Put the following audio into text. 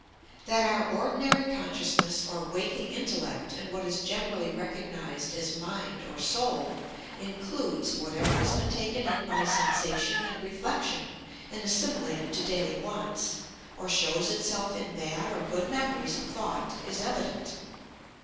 That our ordinary consciousness or Waking Intellect, and what is generally recognized as Mind or Soul, includes whatever has been taken in by sensation and reflection and assimilated to daily wants, or shows itself in bad or good memories and thought, is evident.